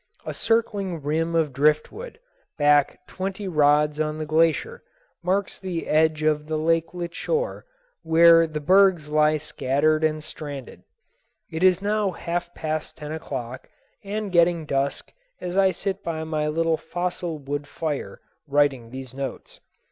A circling rim of driftwood, back twenty rods on the glacier, marks the edge of the lakelet shore where the bergs lie scattered and stranded. It is now half past ten o'clock and getting dusk as I sit by my little fossil wood fire writing these notes.